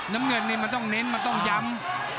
น้ำเงินนี่มันต้องเน้นมันต้องย้ำ